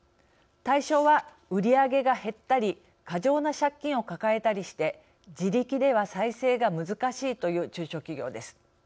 対象は売り上げが減ったり過剰な借金を抱えたりして自力では再生が難しいという中小企業です。